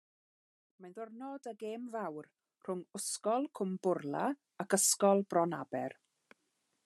Mae'n ddiwrnod y gêm fawr rhwng Ysgol Cwmbwrla ac Ysgol Bronaber.